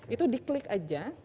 itu di klik aja